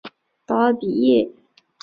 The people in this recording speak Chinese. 达尔比耶。